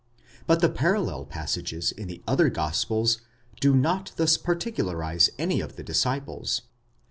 But the parallel passages in the other gospels do not thus particularize any of the disciples.